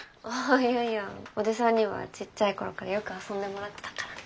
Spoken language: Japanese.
いやいやおじさんにはちっちゃい頃からよく遊んでもらってたから。